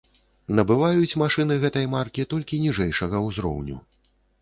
Набываюць машыны гэтай маркі толькі ніжэйшага ўзроўню.